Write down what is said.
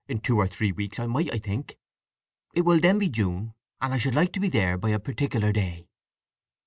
In two or three weeks I might, I think. It will then be June, and I should like to be there by a particular day."